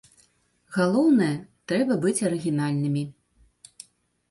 Галоўнае, трэба быць арыгінальнымі.